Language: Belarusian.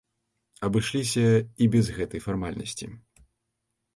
Абышліся і без гэтай фармальнасці.